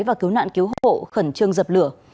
và cứu nạn cứu hộ khẩn trương dập lửa